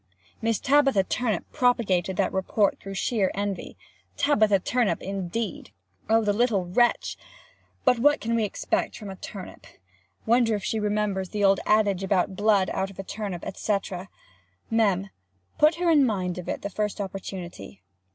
Miss Tabitha Turnip propagated that report through sheer envy. Tabitha Turnip indeed! Oh the little wretch! But what can we expect from a turnip? Wonder if she remembers the old adage about "blood out of a turnip," &c.? [Mem. put her in mind of it the first opportunity.